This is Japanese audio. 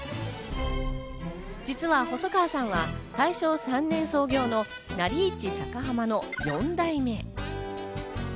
実は細川さんは大正３年創業のなり市堺浜の四代目。